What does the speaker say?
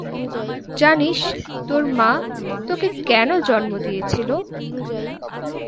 জানিস তোর মা তোকে কেন জন্ম দিয়েছিল?